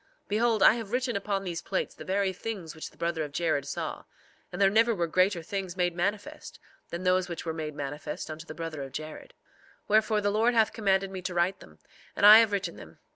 4:4 Behold, I have written upon these plates the very things which the brother of Jared saw; and there never were greater things made manifest than those which were made manifest unto the brother of Jared. 4:5 Wherefore the Lord hath commanded me to write them; and I have written them.